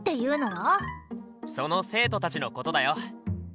その生徒たちのことだよ。